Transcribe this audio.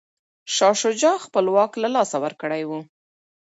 شاه شجاع خپل واک له لاسه ورکړی و.